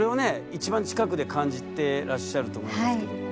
一番近くで感じてらっしゃると思いますけども。